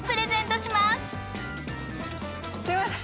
すいません。